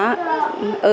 không có kết quả